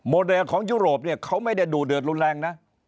เดชของยุโรปเนี่ยเขาไม่ได้ดูเดือดรุนแรงนะ